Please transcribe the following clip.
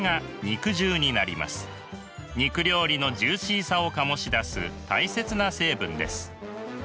肉料理のジューシーさを醸し出す大切な成分です。